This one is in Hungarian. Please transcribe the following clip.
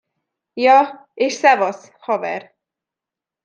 Ja, és szevasz, haver!